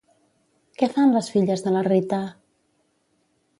Què fan les filles de la Rita?